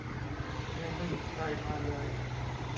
ยังไม่มีใครมาเลย